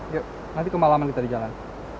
yuk nanti kemalaman kita di jalan